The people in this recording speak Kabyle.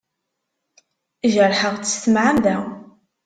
Jerḥeɣ-tt s tmeɛmada.